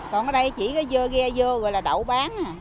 còn ở đây chỉ có vơ ghe vô rồi là đậu bán à